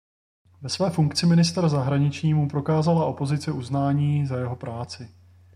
Ve své funkci ministra zahraničí mu prokázala opozice uznání za jeho práci.